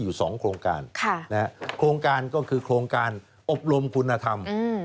อยู่๒โครงการโครงการก็คือโครงการอบรมคุณธรรม